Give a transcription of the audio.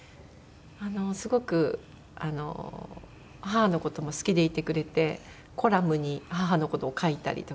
すごくあの母の事も好きでいてくれてコラムに母の事を書いたりとか。